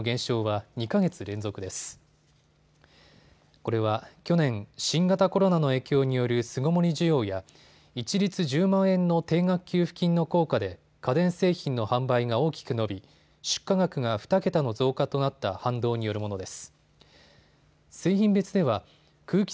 これは去年、新型コロナの影響による巣ごもり需要や一律１０万円の定額給付金の効果で家電製品の販売が大きく伸び出荷額が２桁の増加となった反動によるものです。